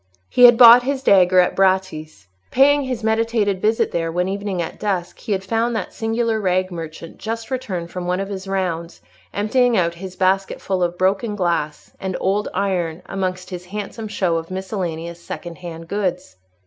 He had bought his dagger at Bratti's. Paying his meditated visit there one evening at dusk, he had found that singular rag merchant just returned from one of his rounds, emptying out his basketful of broken glass and old iron amongst his handsome show of miscellaneous second hand goods.